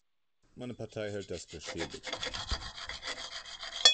Meine Partei hält das für schäbig.